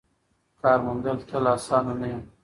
کار موندل تل اسانه نه وي.